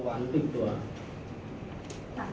ก็จะเสียชีวิตโดย